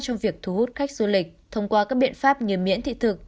trong việc thu hút khách du lịch thông qua các biện pháp như miễn thị thực